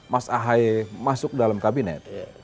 mas ahaye masuk dalam kabinet